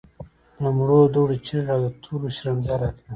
له مړو دوړو چيغې او د تورو شرنګا راتله.